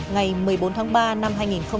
ngày một mươi bốn tháng ba năm hai nghìn một mươi tám